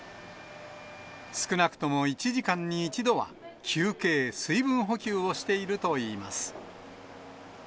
少なくとも１時間に一度は休憩、水分補給をしているといいます。